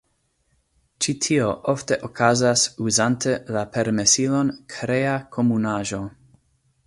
Ĉi tio ofte okazas uzante la permesilon Krea Komunaĵo.